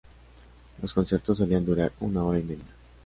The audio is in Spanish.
Los conciertos solían durar una hora y media.